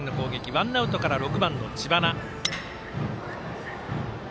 ワンアウトから７番の知花。